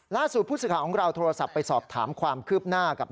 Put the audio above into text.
ล่าสู่พุทธศิกะังของเราโทรศัพท์ไปสอบถามความคืบหน้ากับ